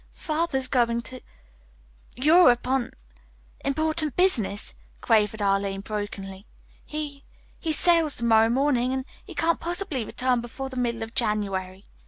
"Father's going to Europe on important business," quavered Arline brokenly. "He he sails to morrow morning and he can't possibly return before the middle of January."